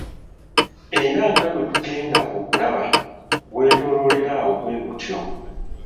Era nga bwe tugenda okulaba, gwetooloolera awo bwe gutyo.